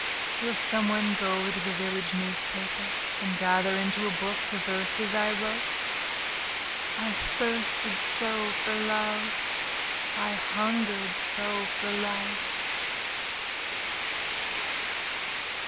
Will some one go to the village newspaper, And gather into a book the verses I wrote?— I thirsted so for love I hungered so for life!